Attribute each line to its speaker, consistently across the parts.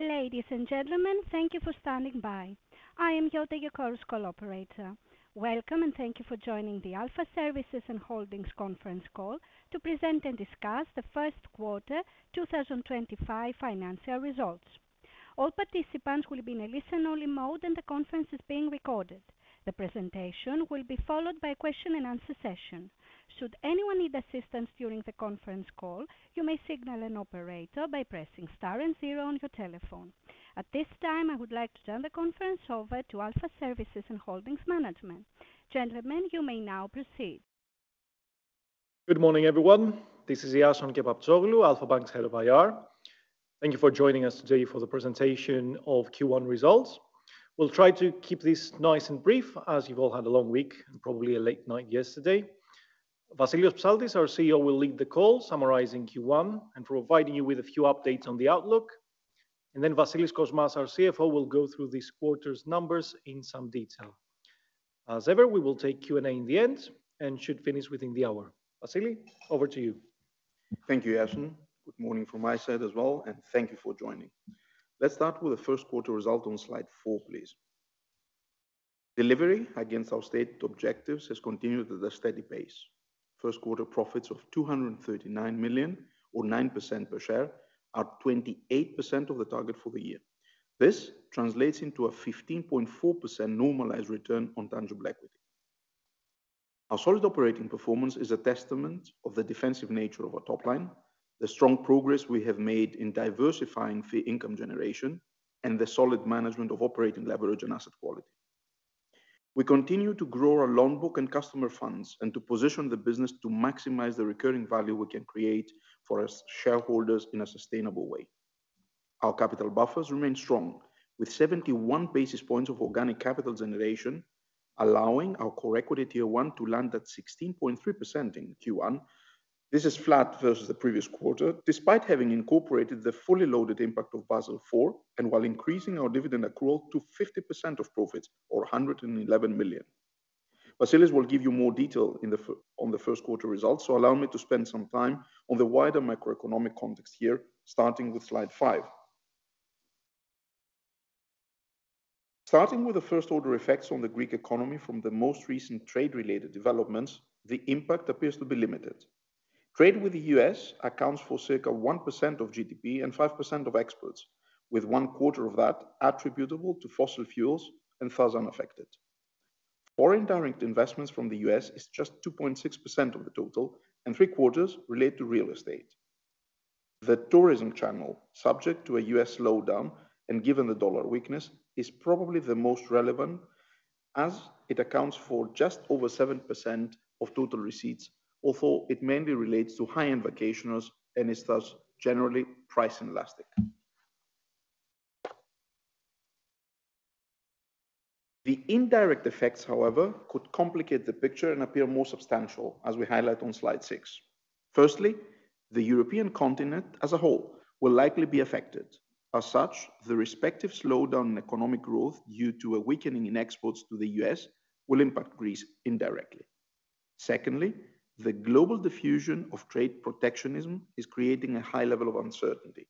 Speaker 1: Ladies and gentlemen, thank you for standing by. I am Hjälte Jökulls, call operator. Welcome, and thank you for joining the Alpha Services and Holdings conference call to present and discuss the first quarter 2025 financial results. All participants will be in a listen-only mode, and the conference is being recorded. The presentation will be followed by a question-and-answer session. Should anyone need assistance during the conference call, you may signal an operator by pressing star and zero on your telephone. At this time, I would like to turn the conference over to Alpha Services and Holdings Management. Gentlemen, you may now proceed.
Speaker 2: Good morning, everyone. This is Iason Kepaptsoglou, Alpha Bank's Head of IR. Thank you for joining us today for the presentation of Q1 results. We'll try to keep this nice and brief, as you've all had a long week and probably a late night yesterday. Vassilios Psaltis, our CEO, will lead the call, summarizing Q1 and providing you with a few updates on the outlook. Then Vasilis Kosmas, our CFO, will go through this quarter's numbers in some detail. As ever, we will take Q&A in the end and should finish within the hour. Vasili, over to you.
Speaker 3: Thank you, Iason. Good morning from my side as well, and thank you for joining. Let's start with the first quarter result on slide four, please. Delivery against our stated objectives has continued at a steady pace. First quarter profits of 239 million, or nine percent per share, are 28% of the target for the year. This translates into a 15.4% normalized return on tangible equity. Our solid operating performance is a testament to the defensive nature of our top line, the strong progress we have made in diversifying fee income generation, and the solid management of operating leverage and asset quality. We continue to grow our loan book and customer funds and to position the business to maximize the recurring value we can create for our shareholders in a sustainable way. Our capital buffers remain strong, with 71 basis points of organic capital generation, allowing our core equity tier one to land at 16.3% in Q1. This is flat versus the previous quarter, despite having incorporated the fully loaded impact of Basel IV and while increasing our dividend accrual to 50% of profits, or 111 million. Vassilios will give you more detail on the first quarter results, so allow me to spend some time on the wider macroeconomic context here, starting with slide five. Starting with the first-order effects on the Greek economy from the most recent trade-related developments, the impact appears to be limited. Trade with the U.S. accounts for circa one percent of GDP and five percent of exports, with one quarter of that attributable to fossil fuels and thus unaffected. Foreign direct investments from the U.S. is just 2.6% of the total, and three quarters relate to real estate. The tourism channel, subject to a U.S. slowdown and given the dollar weakness, is probably the most relevant, as it accounts for just over 7% of total receipts, although it mainly relates to high-end vacations and is thus generally price-inelastic. The indirect effects, however, could complicate the picture and appear more substantial, as we highlight on slide six. Firstly, the European continent as a whole will likely be affected. As such, the respective slowdown in economic growth due to a weakening in exports to the U.S. will impact Greece indirectly. Secondly, the global diffusion of trade protectionism is creating a high level of uncertainty.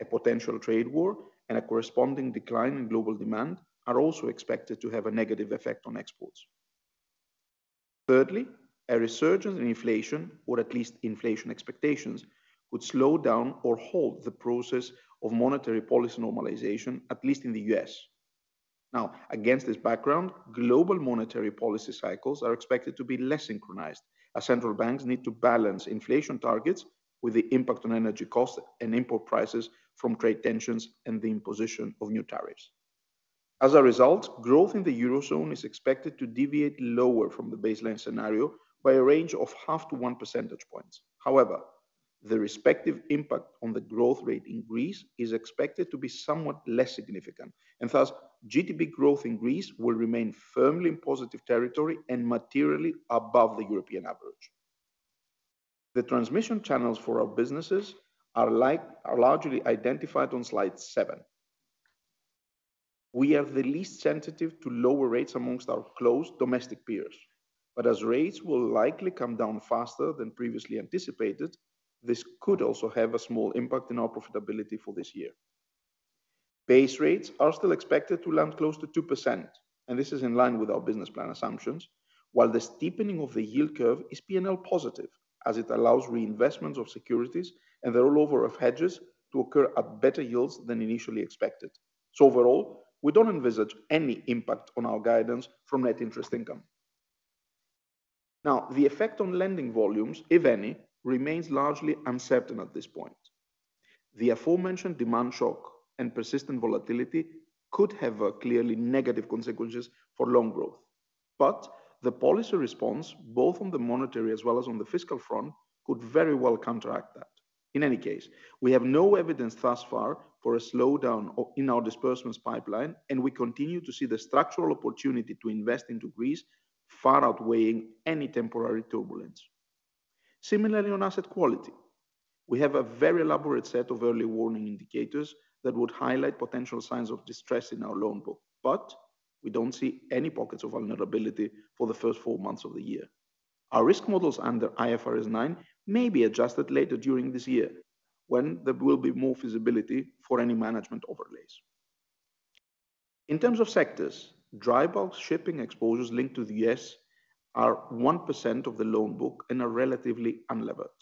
Speaker 3: A potential trade war and a corresponding decline in global demand are also expected to have a negative effect on exports. Thirdly, a resurgence in inflation, or at least inflation expectations, could slow down or halt the process of monetary policy normalization, at least in the U.S. Now, against this background, global monetary policy cycles are expected to be less synchronized, as central banks need to balance inflation targets with the impact on energy costs and import prices from trade tensions and the imposition of new tariffs. As a result, growth in the eurozone is expected to deviate lower from the baseline scenario by a range of half to 1 percentage point. However, the respective impact on the growth rate in Greece is expected to be somewhat less significant, and thus GDP growth in Greece will remain firmly in positive territory and materially above the European average. The transmission channels for our businesses are largely identified on slide seven. We are the least sensitive to lower rates amongst our close domestic peers, but as rates will likely come down faster than previously anticipated, this could also have a small impact on our profitability for this year. Base rates are still expected to land close to 2%, and this is in line with our business plan assumptions, while the steepening of the yield curve is P&L positive, as it allows reinvestments of securities and the rollover of hedges to occur at better yields than initially expected. Overall, we do not envisage any impact on our guidance from net interest income. Now, the effect on lending volumes, if any, remains largely uncertain at this point. The aforementioned demand shock and persistent volatility could have clearly negative consequences for loan growth, but the policy response, both on the monetary as well as on the fiscal front, could very well counteract that. In any case, we have no evidence thus far for a slowdown in our disbursements pipeline, and we continue to see the structural opportunity to invest into Greece far outweighing any temporary turbulence. Similarly, on asset quality, we have a very elaborate set of early warning indicators that would highlight potential signs of distress in our loan book, but we don't see any pockets of vulnerability for the first four months of the year. Our risk models under IFRS 9 may be adjusted later during this year when there will be more visibility for any management overlays. In terms of sectors, dry bulk shipping exposures linked to the U.S. are one percent of the loan book and are relatively unlevert.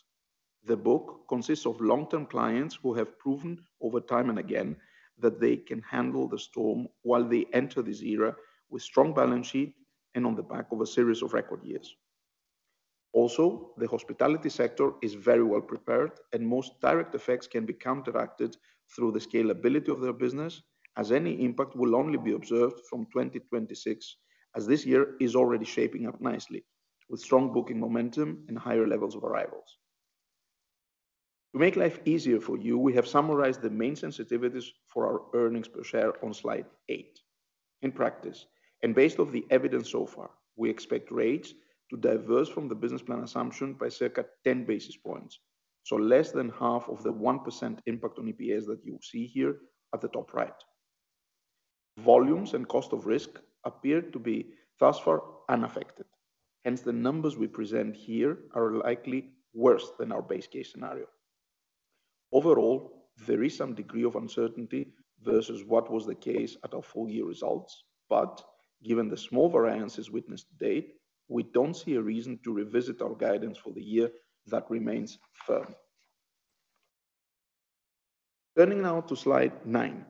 Speaker 3: The book consists of long-term clients who have proven over time and again that they can handle the storm while they enter this era with strong balance sheets and on the back of a series of record years. Also, the hospitality sector is very well prepared, and most direct effects can be counteracted through the scalability of their business, as any impact will only be observed from 2026, as this year is already shaping up nicely, with strong booking momentum and higher levels of arrivals. To make life easier for you, we have summarized the main sensitivities for our EPS on slide eight. In practice, and based on the evidence so far, we expect rates to diverge from the business plan assumption by circa 10 basis points, so less than half of the one percent impact on EPS that you see here at the top right. Volumes and cost of risk appear to be thus far unaffected. Hence, the numbers we present here are likely worse than our base case scenario. Overall, there is some degree of uncertainty versus what was the case at our full year results, but given the small variances witnessed to date, we do not see a reason to revisit our guidance for the year that remains firm. Turning now to slide nine.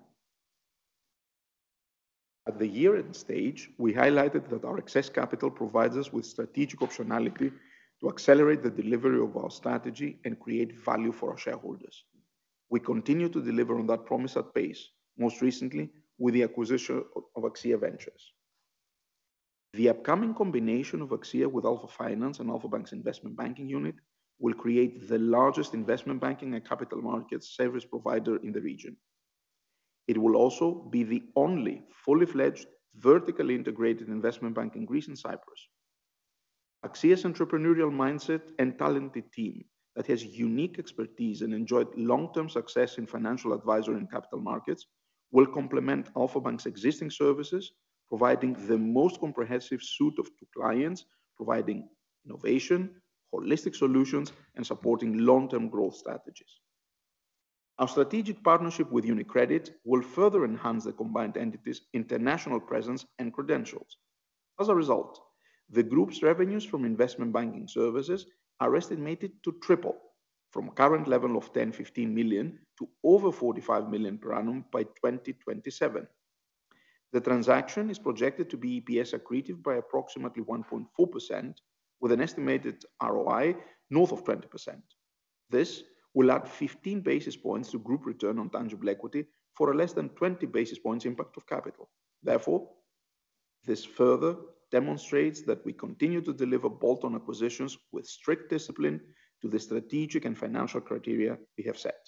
Speaker 3: At the year-end stage, we highlighted that our excess capital provides us with strategic optionality to accelerate the delivery of our strategy and create value for our shareholders. We continue to deliver on that promise at pace, most recently with the acquisition of AXIA Ventures. The upcoming combination of AXIA with Alpha Finance and Alpha Bank's investment banking unit will create the largest investment banking and capital markets service provider in the region. It will also be the only fully-fledged vertically integrated investment bank in Greece and Cyprus. AXIA's entrepreneurial mindset and talented team that has unique expertise and enjoyed long-term success in financial advisory and capital markets will complement Alpha Bank's existing services, providing the most comprehensive suite of clients, providing innovation, holistic solutions, and supporting long-term growth strategies. Our strategic partnership with UniCredit will further enhance the combined entity's international presence and credentials. As a result, the group's revenues from investment banking services are estimated to triple from a current level of 10 million-15 million to over 45 million per annum by 2027. The transaction is projected to be EPS accretive by approximately 1.4%, with an estimated ROI north of 20%. This will add 15 basis points to group return on tangible equity for a less than 20 basis points impact of capital. Therefore, this further demonstrates that we continue to deliver bolt-on acquisitions with strict discipline to the strategic and financial criteria we have set.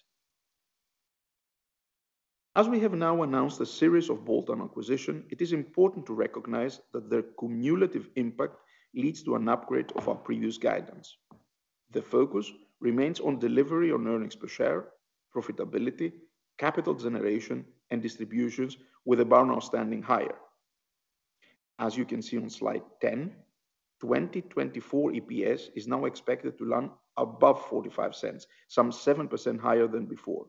Speaker 3: As we have now announced a series of bolt-on acquisitions, it is important to recognize that their cumulative impact leads to an upgrade of our previous guidance. The focus remains on delivery on earnings per share, profitability, capital generation, and distributions, with the bar now standing higher. As you can see on slide 10, 2024 EPS is now expected to land above 0.45, some seven percent higher than before,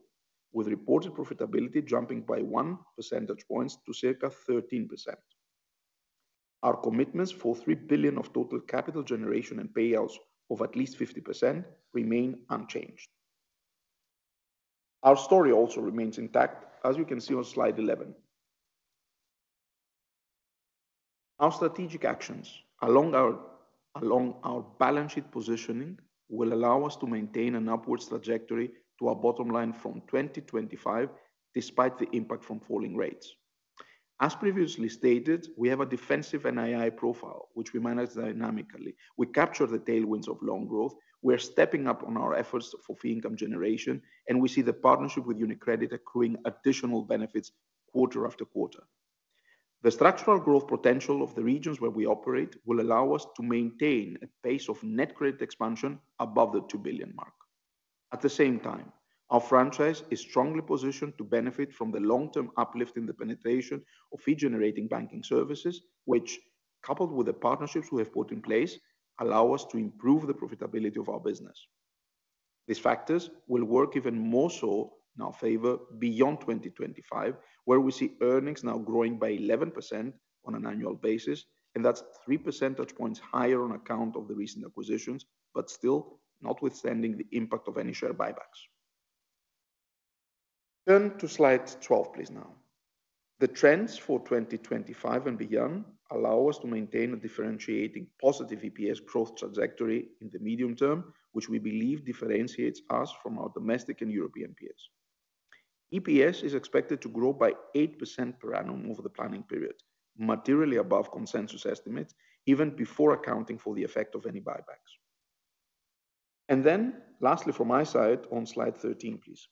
Speaker 3: with reported profitability jumping by 1 percentage point to circa 13%. Our commitments for three billion of total capital generation and payouts of at least 50% remain unchanged. Our story also remains intact, as you can see on slide 11. Our strategic actions along our balance sheet positioning will allow us to maintain an upward trajectory to our bottom line from 2025, despite the impact from falling rates. As previously stated, we have a defensive NII profile, which we manage dynamically. We capture the tailwinds of loan growth. We are stepping up on our efforts for fee income generation, and we see the partnership with UniCredit accruing additional benefits quarter after quarter. The structural growth potential of the regions where we operate will allow us to maintain a pace of net credit expansion above the two billion mark. At the same time, our franchise is strongly positioned to benefit from the long-term uplift in the penetration of fee-generating banking services, which, coupled with the partnerships we have put in place, allow us to improve the profitability of our business. These factors will work even more so in our favor beyond 2025, where we see earnings now growing by 11% on an annual basis, and that's three percentage points higher on account of the recent acquisitions, but still notwithstanding the impact of any share buybacks. Turn to slide 12, please now. The trends for 2025 and beyond allow us to maintain a differentiating positive EPS growth trajectory in the medium term, which we believe differentiates us from our domestic and European peers. EPS is expected to grow by eight percent per annum over the planning period, materially above consensus estimates, even before accounting for the effect of any buybacks. Lastly, from my side, on slide 13, please.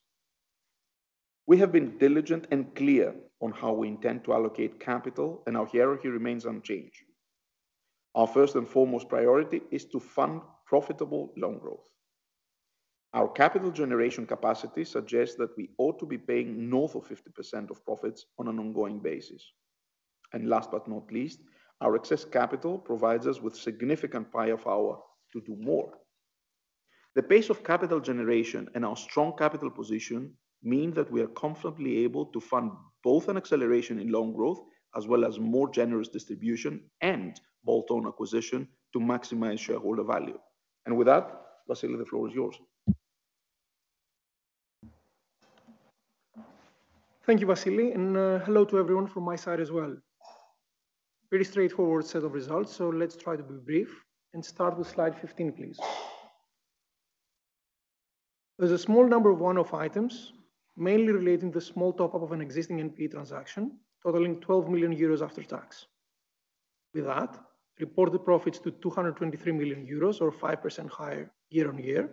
Speaker 3: We have been diligent and clear on how we intend to allocate capital, and our hierarchy remains unchanged. Our first and foremost priority is to fund profitable loan growth. Our capital generation capacity suggests that we ought to be paying north of 50% of profits on an ongoing basis. Last but not least, our excess capital provides us with significant buy-off power to do more. The pace of capital generation and our strong capital position mean that we are comfortably able to fund both an acceleration in loan growth as well as more generous distribution and bolt-on acquisition to maximize shareholder value. With that, Vasili, the floor is yours.
Speaker 4: Thank you, Vassili, and hello to everyone from my side as well. Pretty straightforward set of results, so let's try to be brief and start with slide 15, please. There is a small number of one-off items, mainly relating to the small top-up of an existing NPE transaction totaling 12 million euros after tax. With that, reported profits to 223 million euros, or five percent higher year-on-year,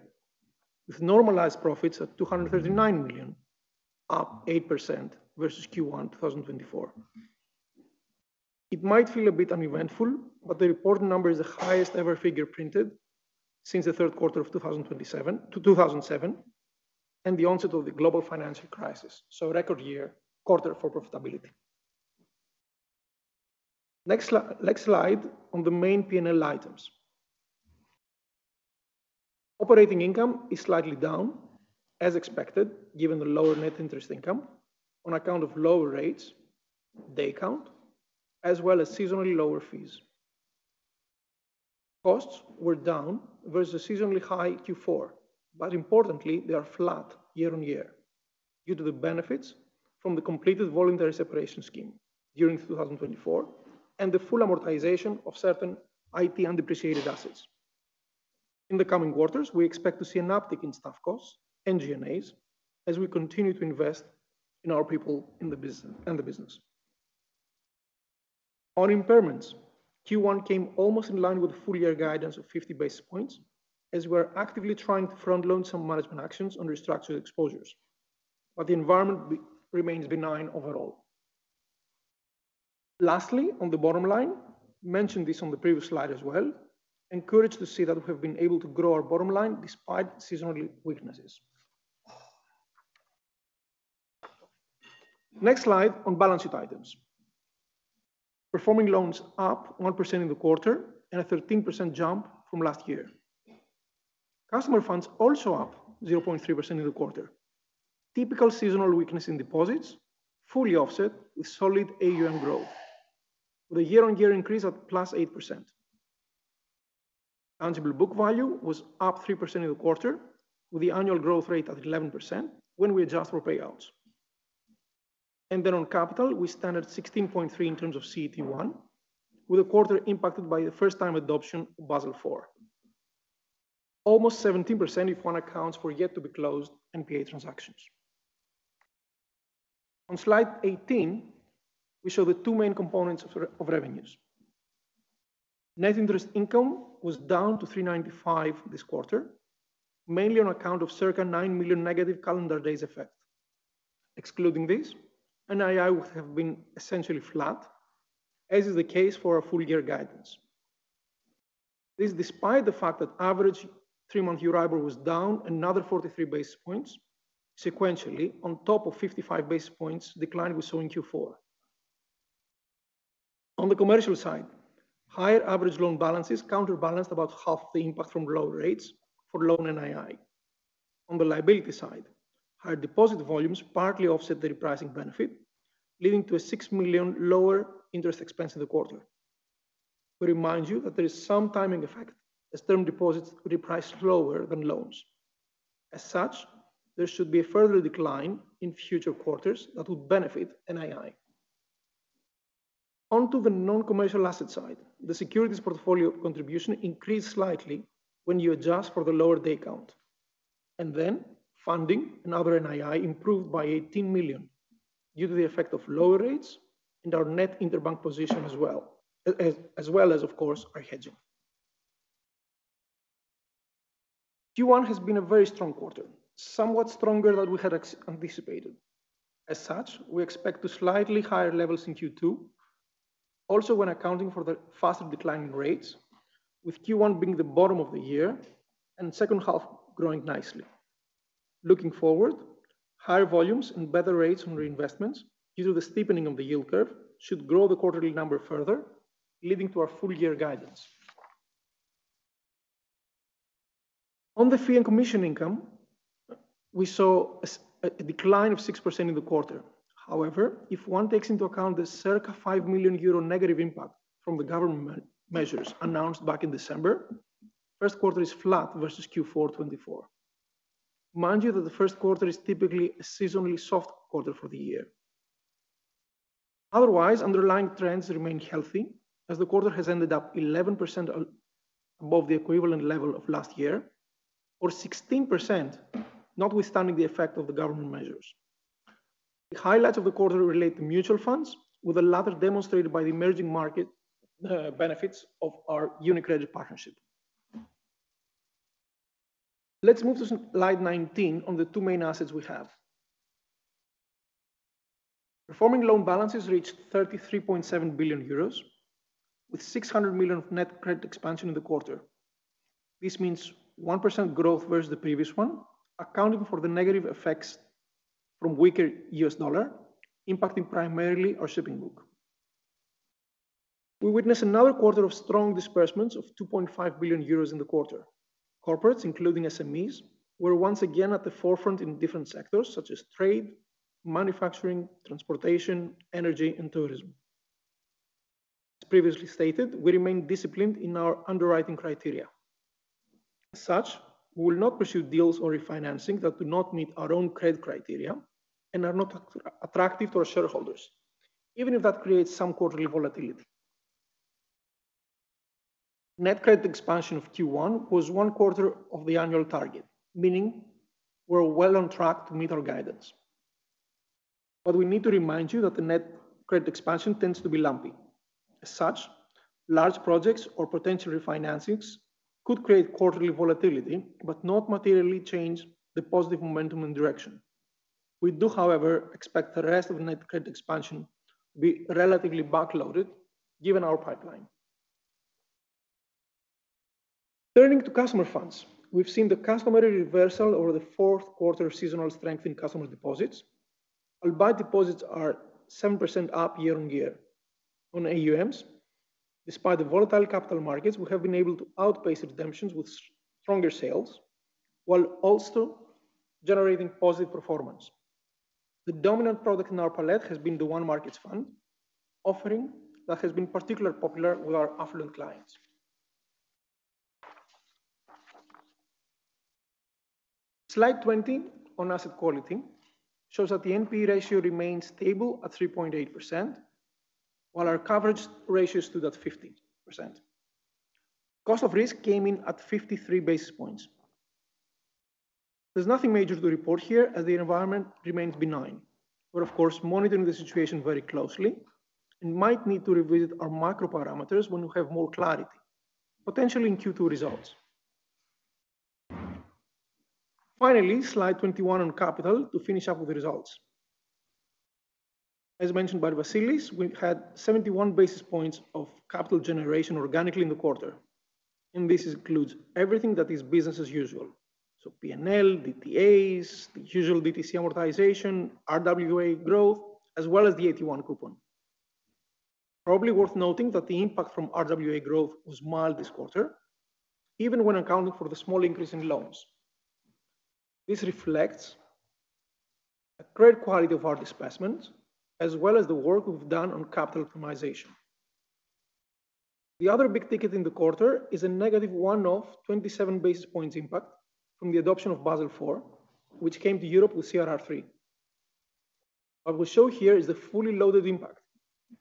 Speaker 4: with normalized profits at 239 million, up 8% versus Q1 2024. It might feel a bit uneventful, but the reported number is the highest ever figure printed since the third quarter of 2007 and the onset of the global financial crisis, so record year quarter for profitability. Next slide on the main P&L items. Operating income is slightly down, as expected, given the lower net interest income on account of lower rates, day count, as well as seasonally lower fees. Costs were down versus a seasonally high Q4, but importantly, they are flat year-on-year due to the benefits from the completed voluntary separation scheme during 2024 and the full amortization of certain IT and depreciated assets. In the coming quarters, we expect to see an uptick in staff costs and G&As as we continue to invest in our people and the business. On impairments, Q1 came almost in line with the full year guidance of 50 basis points as we are actively trying to front-load some management actions on restructured exposures, but the environment remains benign overall. Lastly, on the bottom line, mentioned this on the previous slide as well, encouraged to see that we have been able to grow our bottom line despite seasonal weaknesses. Next slide on balance sheet items. Performing loans up one percent in the quarter and a 13% jump from last year. Customer funds also up 0.3% in the quarter. Typical seasonal weakness in deposits, fully offset with solid AUM growth, with a year-on-year increase at plus eight percent. Tangible book value was up three percent in the quarter, with the annual growth rate at 11% when we adjust for payouts. On capital, we stand at 16.3% in terms of CET1, with the quarter impacted by the first-time adoption of Basel IV. Almost 17% if one accounts for yet-to-be-closed NPE transactions. On slide 18, we show the two main components of revenues. Net interest income was down to 395 million this quarter, mainly on account of circa nine million negative calendar days effect. Excluding this, NII would have been essentially flat, as is the case for our full year guidance. This is despite the fact that average three-month Euribor was down another 43 basis points sequentially on top of the 55 basis points decline we saw in Q4. On the commercial side, higher average loan balances counterbalanced about half the impact from lower rates for loan NII. On the liability side, higher deposit volumes partly offset the repricing benefit, leading to a six million lower interest expense in the quarter. We remind you that there is some timing effect as term deposits reprice lower than loans. As such, there should be a further decline in future quarters that would benefit NII. On the non-commercial asset side, the securities portfolio contribution increased slightly when you adjust for the lower day count. Funding and other NII improved by 18 million due to the effect of lower rates and our net interbank position as well as, of course, our hedging. Q1 has been a very strong quarter, somewhat stronger than we had anticipated. As such, we expect slightly higher levels in Q2, also when accounting for the faster declining rates, with Q1 being the bottom of the year and second half growing nicely. Looking forward, higher volumes and better rates on reinvestments due to the steepening of the yield curve should grow the quarterly number further, leading to our full year guidance. On the fee and commission income, we saw a decline of six percent in the quarter. However, if one takes into account the circa 5 million euro negative impact from the government measures announced back in December, first quarter is flat versus Q4 2024. Mind you that the first quarter is typically a seasonally soft quarter for the year. Otherwise, underlying trends remain healthy as the quarter has ended up 11% above the equivalent level of last year, or 16%, notwithstanding the effect of the government measures. The highlights of the quarter relate to mutual funds, with the latter demonstrated by the emerging market benefits of our UniCredit partnership. Let's move to slide 19 on the two main assets we have. Performing loan balances reached 33.7 billion euros, with 600 million of net credit expansion in the quarter. This means one percent growth versus the previous one, accounting for the negative effects from weaker US dollar impacting primarily our shipping book. We witnessed another quarter of strong disbursements of 2.5 billion euros in the quarter. Corporates, including SMEs, were once again at the forefront in different sectors such as trade, manufacturing, transportation, energy, and tourism. As previously stated, we remain disciplined in our underwriting criteria. As such, we will not pursue deals or refinancing that do not meet our own credit criteria and are not attractive to our shareholders, even if that creates some quarterly volatility. Net credit expansion of Q1 was one quarter of the annual target, meaning we're well on track to meet our guidance. We need to remind you that the net credit expansion tends to be lumpy. As such, large projects or potential refinancings could create quarterly volatility, but not materially change the positive momentum and direction. We do, however, expect the rest of the net credit expansion to be relatively backloaded given our pipeline. Turning to customer funds, we've seen the customer reversal over the fourth quarter of seasonal strength in customer deposits. Albeit deposits are 7% up year-on-year on AUMs. Despite the volatile capital markets, we have been able to outpace redemptions with stronger sales while also generating positive performance. The dominant product in our palette has been the One Markets Fund offering that has been particularly popular with our affluent clients. Slide 20 on asset quality shows that the NPE ratio remains stable at 3.8%, while our coverage ratio is still at 50%. Cost of risk came in at 53 basis points. There's nothing major to report here as the environment remains benign. We're, of course, monitoring the situation very closely and might need to revisit our macro parameters when we have more clarity, potentially in Q2 results. Finally, slide 21 on capital to finish up with the results. As mentioned by Vassilios, we had 71 basis points of capital generation organically in the quarter, and this includes everything that is business as usual. So P&L, DTAs, the usual DTC amortization, RWA growth, as well as the AT1 coupon. Probably worth noting that the impact from RWA growth was mild this quarter, even when accounting for the small increase in loans. This reflects a great quality of our disbursements, as well as the work we've done on capital optimization. The other big ticket in the quarter is a negative one-off 27 basis points impact from the adoption of Basel IV, which came to Europe with CRR3. What we show here is the fully loaded impact,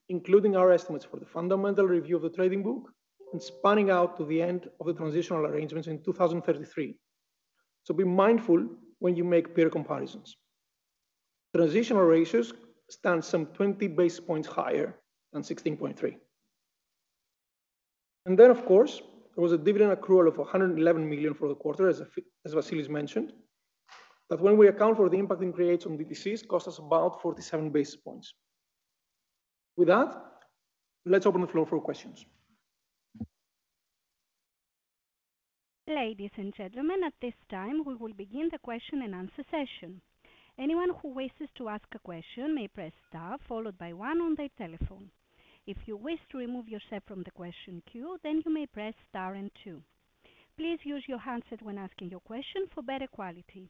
Speaker 4: including our estimates for the fundamental review of the trading book and spanning out to the end of the transitional arrangements in 2033. Be mindful when you make peer comparisons. Transitional ratios stand some 20 basis points higher than 16.3. There was a dividend accrual of 111 million for the quarter, as Vassilios mentioned, that when we account for the impact it creates on DTCs, costs us about 47 basis points. With that, let's open the floor for questions.
Speaker 1: Ladies and gentlemen, at this time, we will begin the question and answer session. Anyone who wishes to ask a question may press star followed by one on their telephone. If you wish to remove yourself from the question queue, then you may press star and two. Please use your handset when asking your question for better quality.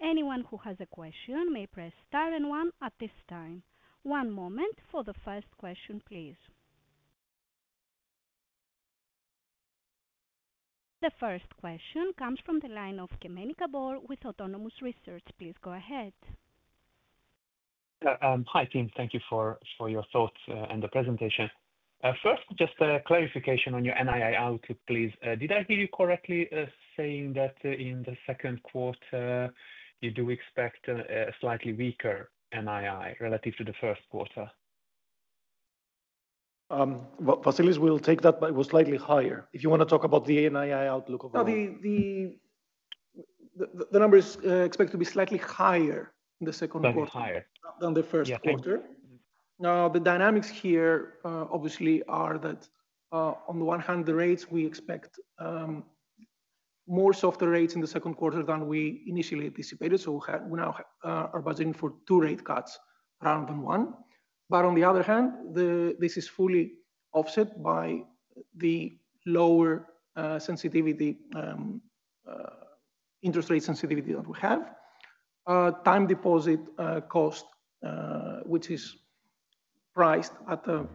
Speaker 1: Anyone who has a question may press star and one at this time. One moment for the first question, please. The first question comes from the line of Kemenika Bor with Autonomous Research. Please go ahead.
Speaker 5: Hi, team. Thank you for your thoughts and the presentation. First, just a clarification on your NII outlook, please. Did I hear you correctly saying that in the second quarter, you do expect a slightly weaker NII relative to the first quarter?
Speaker 3: Vassilis will take that, but it was slightly higher. If you want to talk about the NII outlook of the...
Speaker 4: The number is expected to be slightly higher in the second quarter than the first quarter. Now, the dynamics here, obviously, are that on the one hand, the rates we expect more soft rates in the second quarter than we initially anticipated. We now are budgeting for two rate cuts rather than one. On the other hand, this is fully offset by the lower interest rate sensitivity that we have. Time deposit cost, which is priced at the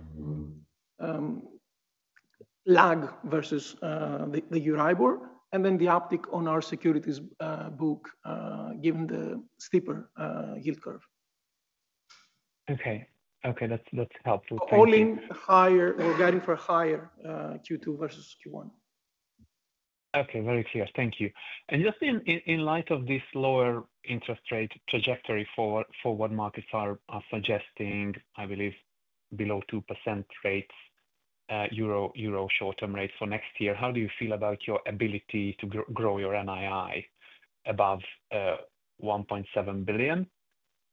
Speaker 4: lag versus the Euribor, and then the uptick on our securities book given the steeper yield curve. Okay. Okay. That's helpful. Falling higher or guiding for higher Q2 versus Q1.
Speaker 5: Very clear. Thank you. Just in light of this lower interest rate trajectory for what markets are suggesting, I believe below two percent rates, euro short-term rates for next year, how do you feel about your ability to grow your NII above 1.7 billion?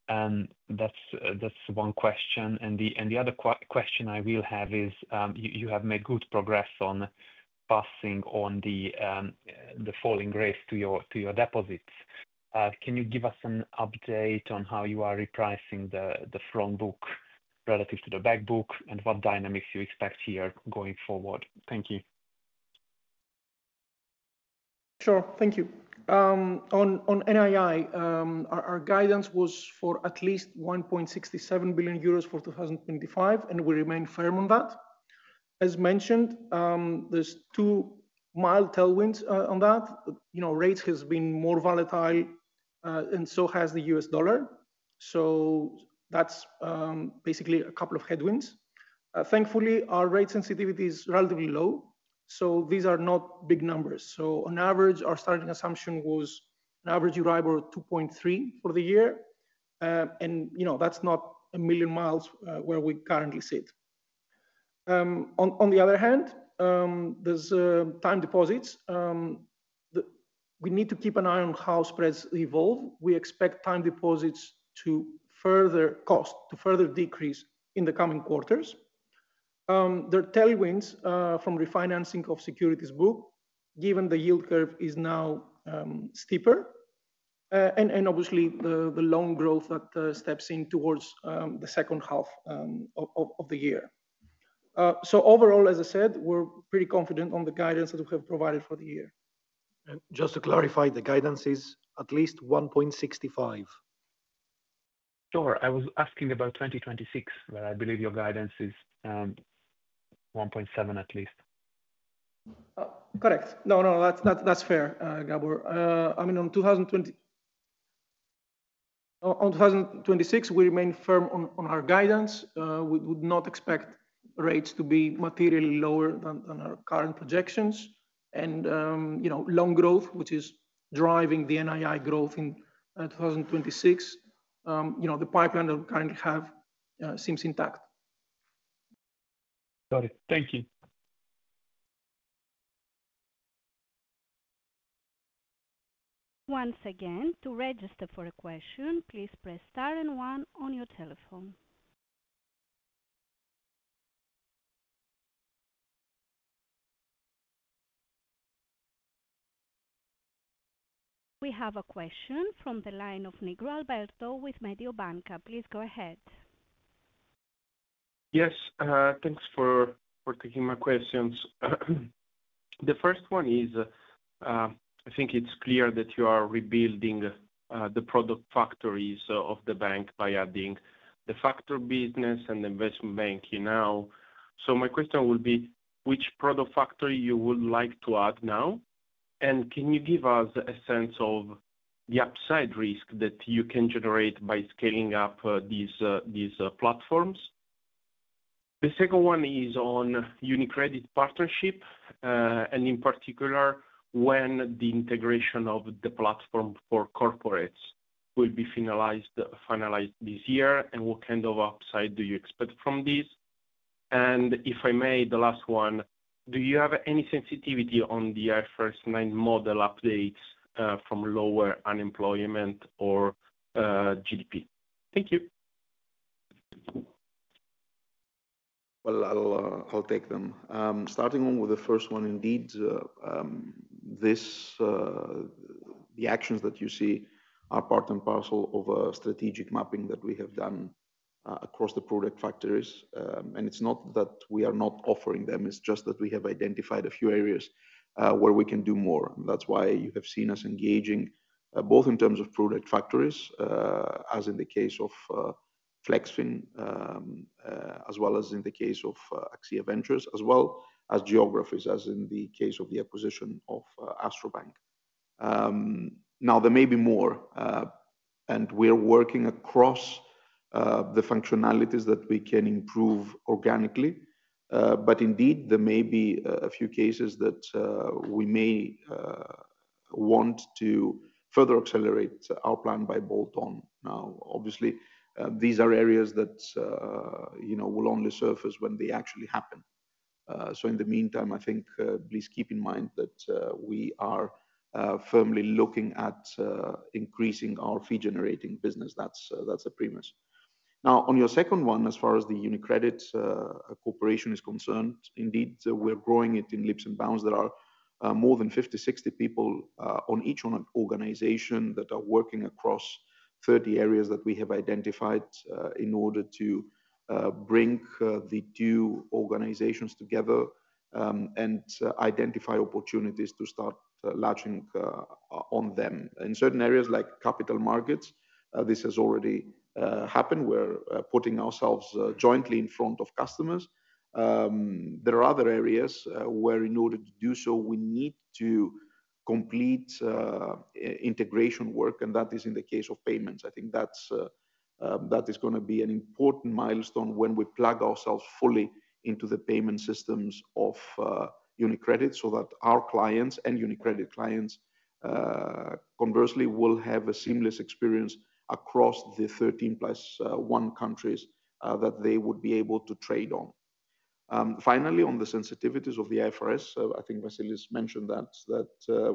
Speaker 5: That's one question. The other question I will have is you have made good progress on passing on the falling rates to your deposits. Can you give us an update on how you are repricing the front book relative to the back book and what dynamics you expect here going forward? Thank you.
Speaker 4: Sure. Thank you. On NII, our guidance was for at least 1.67 billion euros for 2025, and we remain firm on that. As mentioned, there are two mild tailwinds on that. Rates have been more volatile, and so has the US dollar. That is basically a couple of headwinds. Thankfully, our rate sensitivity is relatively low, so these are not big numbers. On average, our starting assumption was an average Euribor of 2.3 for the year. That is not a million miles from where we currently sit. On the other hand, there are time deposits. We need to keep an eye on how spreads evolve. We expect time deposits to further decrease in the coming quarters. There are tailwinds from refinancing of securities book, given the yield curve is now steeper, and obviously, the loan growth that steps in towards the second half of the year. Overall, as I said, we're pretty confident on the guidance that we have provided for the year.
Speaker 3: Just to clarify, the guidance is at least 1.65 billion.
Speaker 5: Sure. I was asking about 2026, where I believe your guidance is at least 1.7 billion?
Speaker 4: Correct. No, no, that's fair, Gabor. I mean, on 2026, we remain firm on our guidance. We would not expect rates to be materially lower than our current projections. Loan growth, which is driving the NII growth in 2026, the pipeline that we currently have seems intact.
Speaker 5: Got it. Thank you.
Speaker 1: Once again, to register for a question, please press star and one on your telephone. We have a question from the line of Negro Alberto with Mediobanca. Please go ahead.
Speaker 6: Yes. Thanks for taking my questions. The first one is, I think it's clear that you are rebuilding the product factories of the bank by adding the factory business and the investment banking now. My question will be, which product factory you would like to add now? Can you give us a sense of the upside risk that you can generate by scaling up these platforms? The second one is on UniCredit partnership, and in particular, when the integration of the platform for corporates will be finalized this year, and what kind of upside do you expect from this? If I may, the last one, do you have any sensitivity on the IFRS 9 model updates from lower unemployment or GDP? Thank you.
Speaker 3: I'll take them. Starting with the first one, indeed, the actions that you see are part and parcel of a strategic mapping that we have done across the product factories. It is not that we are not offering them, it is just that we have identified a few areas where we can do more. That is why you have seen us engaging both in terms of product factories, as in the case of Flexfin, as well as in the case of AXIA Ventures, as well as geographies, as in the case of the acquisition of Astra Bank. There may be more, and we are working across the functionalities that we can improve organically. Indeed, there may be a few cases that we may want to further accelerate our plan by bolt-on. Obviously, these are areas that will only surface when they actually happen. In the meantime, I think please keep in mind that we are firmly looking at increasing our fee-generating business. That's a premise. Now, on your second one, as far as the UniCredit Corporation is concerned, indeed, we're growing it in leaps and bounds. There are more than 50-60 people on each organization that are working across 30 areas that we have identified in order to bring the two organizations together and identify opportunities to start latching on them. In certain areas like capital markets, this has already happened. We're putting ourselves jointly in front of customers. There are other areas where, in order to do so, we need to complete integration work, and that is in the case of payments. I think that is going to be an important milestone when we plug ourselves fully into the payment systems of UniCredit so that our clients and UniCredit clients, conversely, will have a seamless experience across the 13 plus one countries that they would be able to trade on. Finally, on the sensitivities of the IFRS, I think Vassilios mentioned that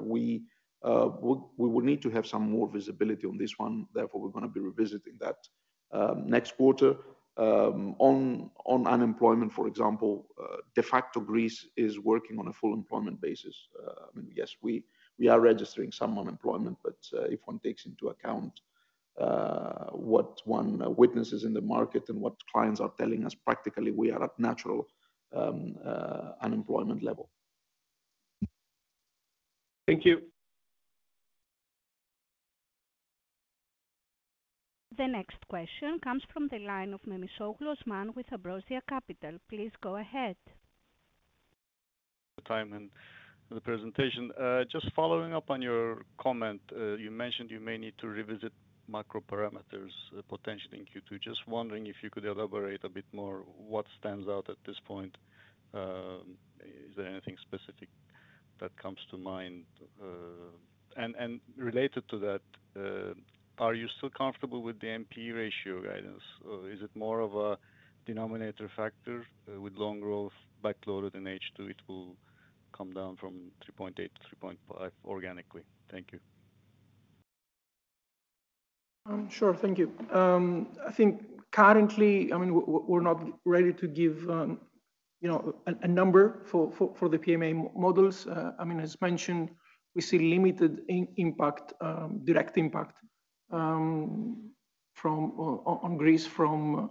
Speaker 3: we will need to have some more visibility on this one. Therefore, we're going to be revisiting that next quarter. On unemployment, for example, de facto Greece is working on a full employment basis. I mean, yes, we are registering some unemployment, but if one takes into account what one witnesses in the market and what clients are telling us, practically, we are at natural unemployment level.
Speaker 6: Thank you.
Speaker 1: The next question comes from the line of Osman Memisoglu with Ambrosia Capital. Please go ahead.
Speaker 7: The time and the presentation. Just following up on your comment, you mentioned you may need to revisit macro parameters potentially in Q2. Just wondering if you could elaborate a bit more what stands out at this point. Is there anything specific that comes to mind? And related to that, are you still comfortable with the NPE ratio guidance? Is it more of a denominator factor with loan growth backloaded in H2? It will come down from 3.8% to 3.5% organically. Thank you.
Speaker 4: Sure. Thank you. I think currently, I mean, we're not ready to give a number for the PMA models. I mean, as mentioned, we see limited direct impact on Greece from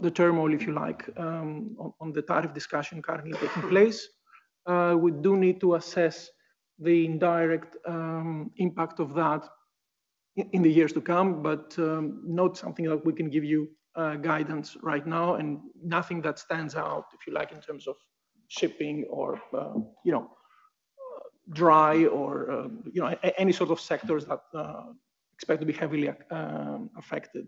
Speaker 4: the turmoil, if you like, on the tariff discussion currently taking place. We do need to assess the indirect impact of that in the years to come, but not something that we can give you guidance right now. Nothing that stands out, if you like, in terms of shipping or dry or any sort of sectors that expect to be heavily affected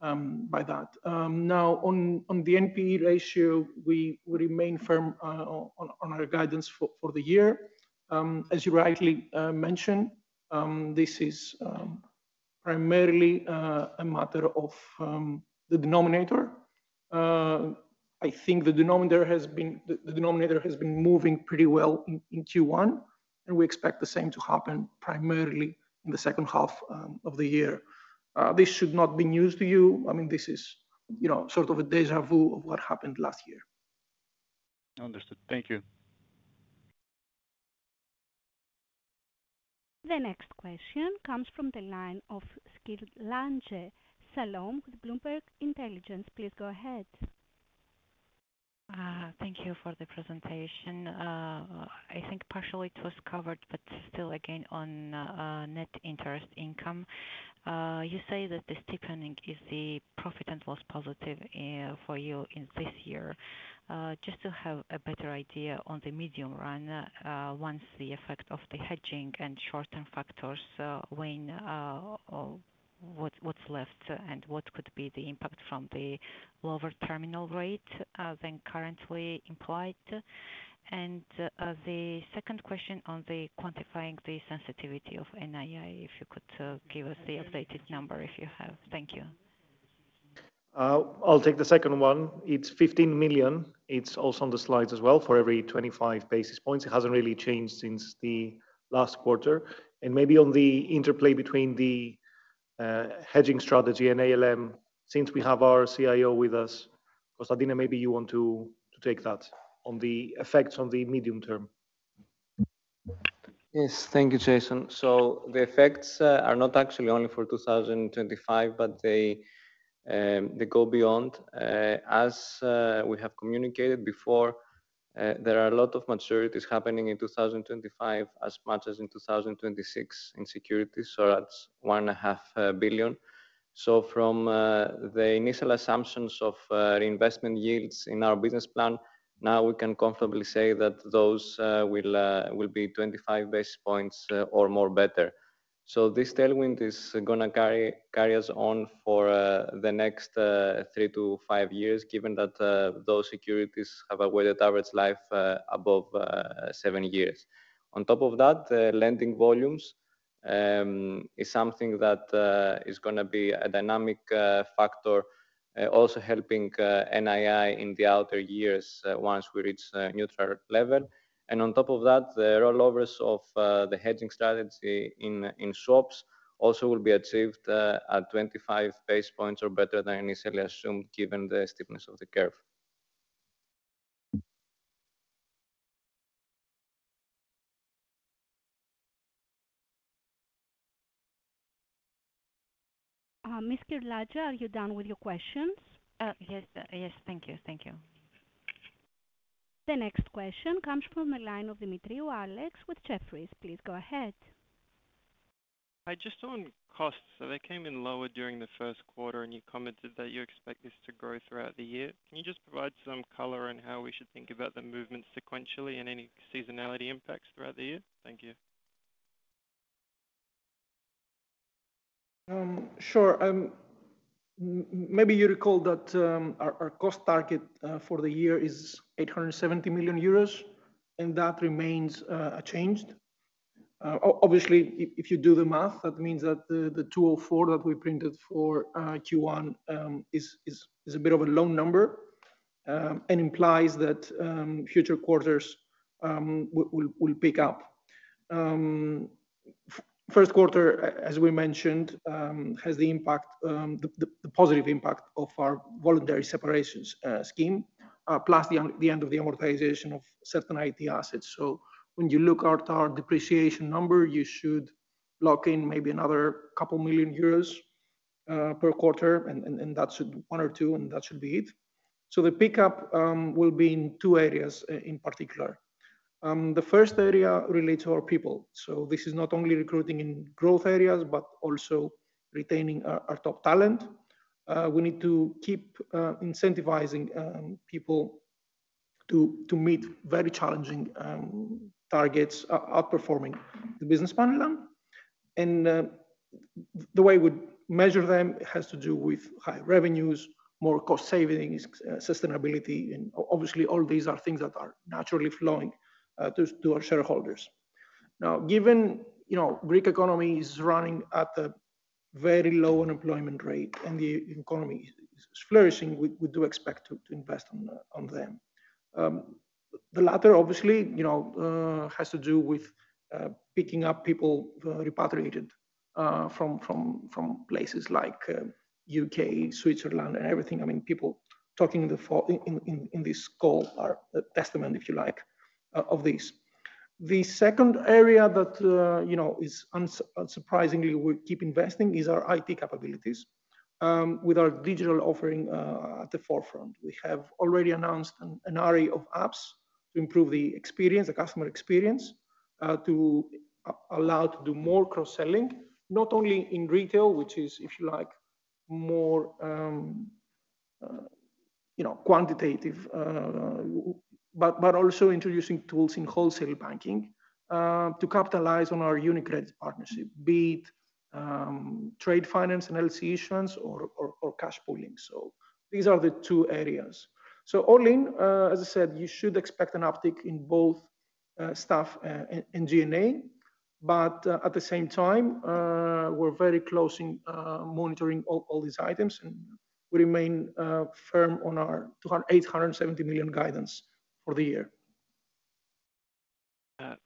Speaker 4: by that. Now, on the NPE ratio, we remain firm on our guidance for the year. As you rightly mentioned, this is primarily a matter of the denominator. I think the denominator has been moving pretty well in Q1, and we expect the same to happen primarily in the second half of the year. This should not be news to you. I mean, this is sort of a déjà vu of what happened last year.
Speaker 7: Understood. Thank you.
Speaker 1: The next question comes from the line of Skill Lange Salom with Bloomberg Intelligence. Please go ahead.
Speaker 8: Thank you for the presentation. I think partially it was covered, but still, again, on net interest income. You say that the steepening is the profit and loss positive for you this year. Just to have a better idea on the medium run, once the effect of the hedging and short-term factors weigh in, what's left and what could be the impact from the lower terminal rate than currently implied? The second question on quantifying the sensitivity of NII, if you could give us the updated number if you have. Thank you.
Speaker 2: I'll take the second one. It's 15 million. It's also on the slides as well for every 25 basis points. It hasn't really changed since the last quarter. Maybe on the interplay between the hedging strategy and ALM, since we have our CIO with us, Constantina, maybe you want to take that on the effects on the medium term.
Speaker 4: Yes. Thank you, Iason. The effects are not actually only for 2025, but they go beyond. As we have communicated before, there are a lot of maturities happening in 2025, as much as in 2026 in securities, so that's 1.5 billion. From the initial assumptions of reinvestment yields in our business plan, now we can comfortably say that those will be 25 basis points or more better. This tailwind is going to carry us on for the next three to five years, given that those securities have a weighted average life above seven years. On top of that, lending volumes is something that is going to be a dynamic factor, also helping NII in the outer years once we reach neutral level. On top of that, the rollovers of the hedging strategy in swaps also will be achieved at 25 basis points or better than initially assumed, given the stiffness of the curve.
Speaker 1: Ms. Skhirtzladze, are you done with your questions?
Speaker 8: Yes. Yes. Thank you. Thank you.
Speaker 1: The next question comes from the line of Demetriou Alex with Jefferies. Please go ahead.
Speaker 9: Just on costs. They came in lower during the first quarter, and you commented that you expect this to grow throughout the year. Can you just provide some color on how we should think about the movement sequentially and any seasonality impacts throughout the year? Thank you.
Speaker 4: Sure. Maybe you recall that our cost target for the year is 870 million euros, and that remains unchanged. Obviously, if you do the math, that means that the 204 that we printed for Q1 is a bit of a low number and implies that future quarters will pick up. First quarter, as we mentioned, has the positive impact of our voluntary separations scheme, plus the end of the amortization of certain IT assets. When you look at our depreciation number, you should lock in maybe another couple million euros per quarter, and that should be one or two, and that should be it. The pickup will be in two areas in particular. The first area relates to our people. This is not only recruiting in growth areas, but also retaining our top talent. We need to keep incentivizing people to meet very challenging targets, outperforming the business panel them. The way we measure them has to do with high revenues, more cost savings, sustainability. Obviously, all these are things that are naturally flowing to our shareholders. Now, given the Greek economy is running at a very low unemployment rate and the economy is flourishing, we do expect to invest in them. The latter, obviously, has to do with picking up people repatriated from places like the U.K., Switzerland, and everything. I mean, people talking in this call are a testament, if you like, of this. The second area that is unsurprisingly, we keep investing in is our IT capabilities with our digital offering at the forefront. We have already announced an array of apps to improve the customer experience, to allow to do more cross-selling, not only in retail, which is, if you like, more quantitative, but also introducing tools in wholesale banking to capitalize on our UniCredit partnership, be it trade finance and LC issuance or cash pooling. These are the two areas. All in, as I said, you should expect an uptick in both staff and GNA. At the same time, we're very close in monitoring all these items, and we remain firm on our 870 million guidance for the year.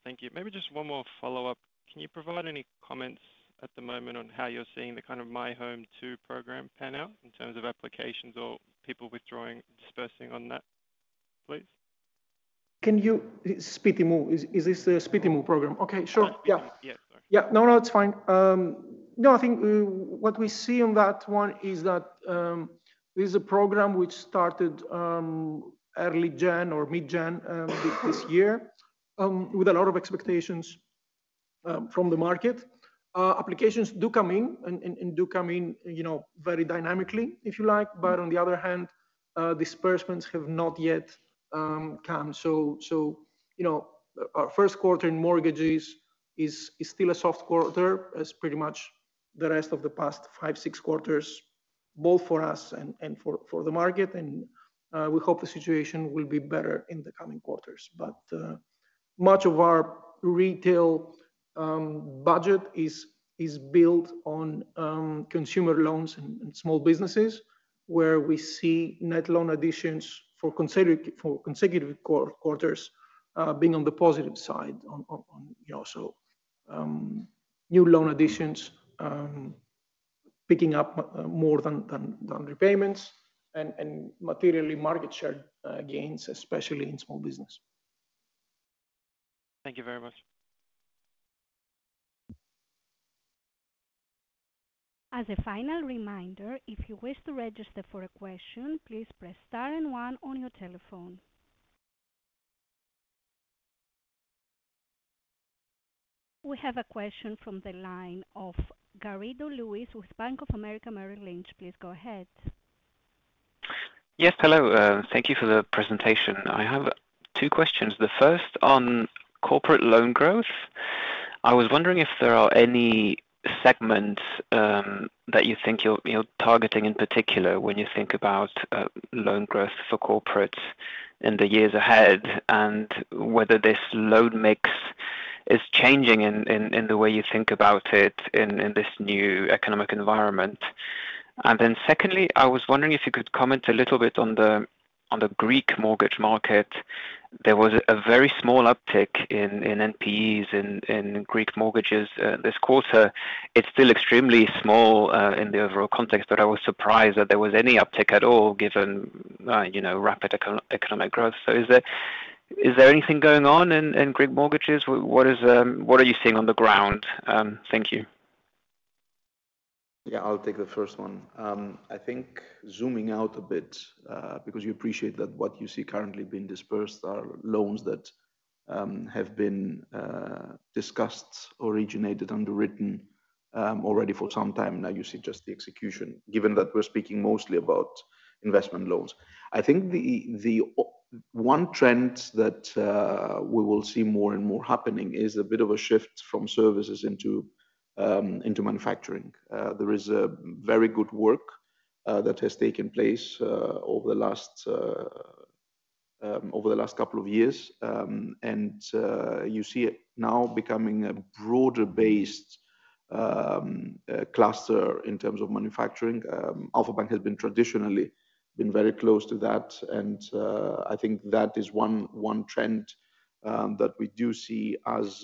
Speaker 9: Thank you. Maybe just one more follow-up. Can you provide any comments at the moment on how you're seeing the kind of My Home 2 program pan out in terms of applications or people withdrawing, dispersing on that, please?
Speaker 4: Can you speed him? Is this the speeding program? Okay. Sure.
Speaker 9: Yeah. Yeah.
Speaker 4: No, no, it's fine. No, I think what we see on that one is that this is a program which started early January or mid-January this year with a lot of expectations from the market. Applications do come in and do come in very dynamically, if you like. On the other hand, disbursements have not yet come. Our first quarter in mortgages is still a soft quarter, as pretty much the rest of the past five-six quarters, both for us and for the market. We hope the situation will be better in the coming quarters. Much of our retail budget is built on consumer loans and small businesses, where we see net loan additions for consecutive quarters being on the positive side. New loan additions are picking up more than repayments and materially market share gains, especially in small business.
Speaker 1: Thank you very much. As a final reminder, if you wish to register for a question, please press star and one on your telephone. We have a question from the line of Garrido Luis with Bank of America Merrill Lynch. Please go ahead.
Speaker 10: Yes. Hello. Thank you for the presentation. I have two questions. The first on corporate loan growth. I was wondering if there are any segments that you think you're targeting in particular when you think about loan growth for corporates in the years ahead and whether this loan mix is changing in the way you think about it in this new economic environment. Then secondly, I was wondering if you could comment a little bit on the Greek mortgage market. There was a very small uptick in NPEs in Greek mortgages this quarter. It's still extremely small in the overall context, but I was surprised that there was any uptick at all given rapid economic growth. Is there anything going on in Greek mortgages? What are you seeing on the ground? Thank you.
Speaker 4: Yeah. I'll take the first one. I think zooming out a bit because you appreciate that what you see currently being dispersed are loans that have been discussed, originated, underwritten already for some time. Now you see just the execution, given that we're speaking mostly about investment loans. I think the one trend that we will see more and more happening is a bit of a shift from services into manufacturing. There is very good work that has taken place over the last couple of years. You see it now becoming a broader-based cluster in terms of manufacturing. Alpha Bank has been traditionally very close to that. I think that is one trend that we do see as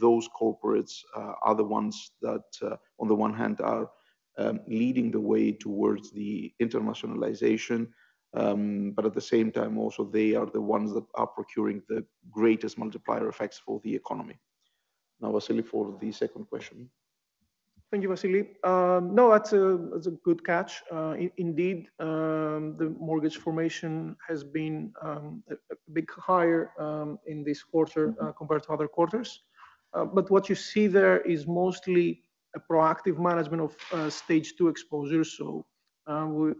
Speaker 4: those corporates are the ones that, on the one hand, are leading the way towards the internationalization. At the same time, also, they are the ones that are procuring the greatest multiplier effects for the economy.
Speaker 3: Now, Vasilis, for the second question.
Speaker 4: Thank you, Vassilis. No, that's a good catch. Indeed, the mortgage formation has been a bit higher in this quarter compared to other quarters. What you see there is mostly a proactive management of stage two exposures.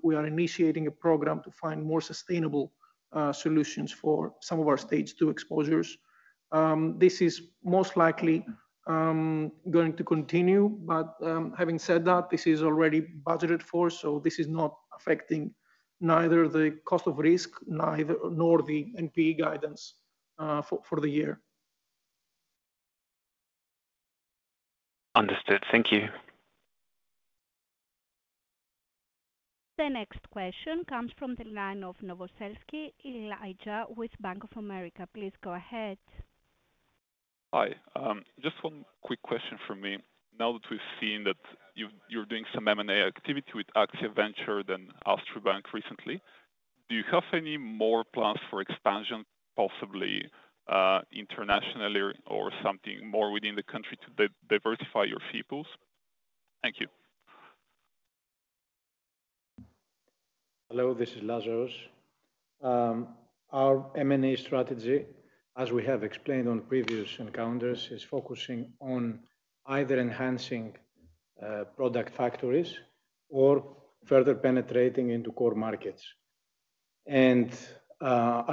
Speaker 4: We are initiating a program to find more sustainable solutions for some of our stage two exposures. This is most likely going to continue. Having said that, this is already budgeted for. This is not affecting neither the cost of risk nor the NPE guidance for the year.
Speaker 10: Understood. Thank you.
Speaker 1: The next question comes from the line of Novoselski Laja with Bank of America. Please go ahead.
Speaker 11: Hi. Just one quick question from me. Now that we've seen that you're doing some M&A activity with AXIA Ventures and Astra Bank recently, do you have any more plans for expansion, possibly internationally or something more within the country to diversify your SIPOS? Thank you.
Speaker 12: Hello. This is Lazaros. Our M&A strategy, as we have explained on previous encounters, is focusing on either enhancing product factories or further penetrating into core markets.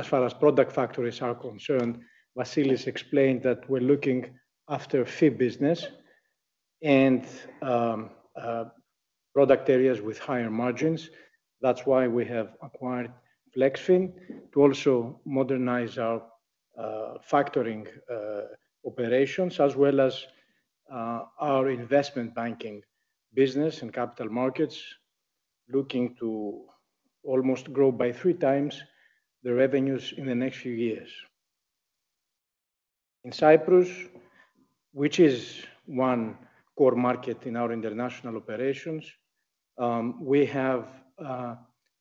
Speaker 12: As far as product factories are concerned, Vasilis explained that we're looking after fee business and product areas with higher margins. That's why we have acquired Flexfin to also modernize our factoring operations, as well as our investment banking business and capital markets, looking to almost grow by three times the revenues in the next few years. In Cyprus, which is one core market in our international operations, we have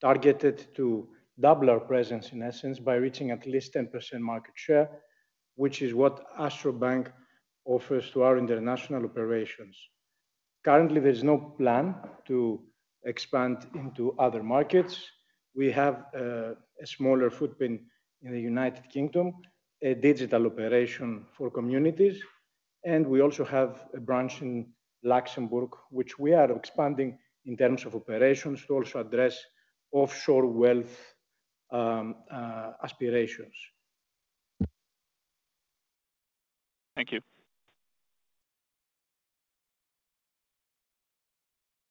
Speaker 12: targeted to double our presence, in essence, by reaching at least 10% market share, which is what Astra Bank offers to our international operations. Currently, there is no plan to expand into other markets. We have a smaller footprint in the U.K., a digital operation for communities. We also have a branch in Luxembourg, which we are expanding in terms of operations to also address offshore wealth aspirations.
Speaker 1: Thank you.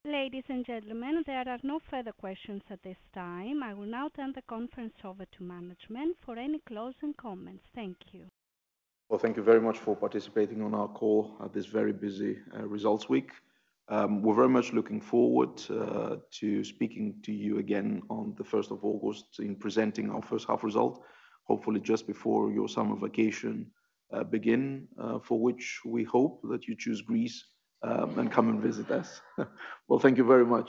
Speaker 1: Ladies and gentlemen, there are no further questions at this time. I will now turn the conference over to management for any closing comments. Thank you.
Speaker 2: Thank you very much for participating on our call at this very busy results week. We're very much looking forward to speaking to you again on the 1st of August in presenting our first half result, hopefully just before your summer vacation begins, for which we hope that you choose Greece and come and visit us. Thank you very much.